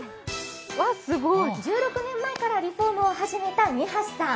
１６年前からリフォームを始めた二橋さん。